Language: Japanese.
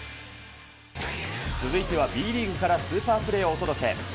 続いてはＢリーグからスーパープレーをお届け。